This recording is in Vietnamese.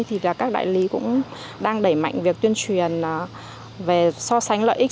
thì là các đại lý cũng đang đẩy mạnh việc tuyên truyền về so sánh lợi ích